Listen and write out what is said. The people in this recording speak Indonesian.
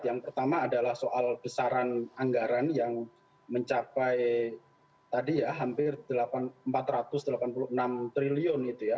yang pertama adalah soal besaran anggaran yang mencapai tadi ya hampir empat ratus delapan puluh enam triliun itu ya